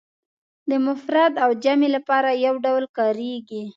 د مفرد او جمع لپاره یو ډول کاریږي.